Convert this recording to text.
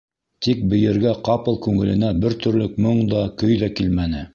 Тик бейергә ҡапыл күңеленә бер төрлө моң да, көй ҙә килмәне.